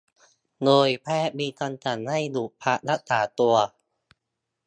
โดยแพทย์มีคำสั่งให้หยุดพักรักษาตัว